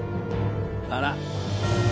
あら？